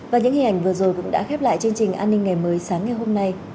và những hình ảnh vừa rồi cũng đã khép lại chương trình an ninh ngày mới sáng ngày hôm nay